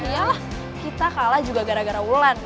yalah kita kalah juga gara gara ulan